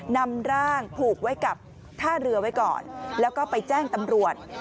นำร่างผูกไว้กับท่าเรือไว้ก่อนแล้วก็ไปแจ้งตำรวจ